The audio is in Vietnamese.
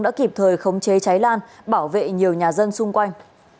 đã kịp thời khống chế cháy lan bảo vệ nhiều nhà dân xung quanh